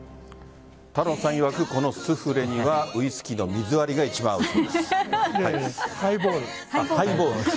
太郎さんいわくこのスフレにはウイスキーの水割りが一番合うそうです。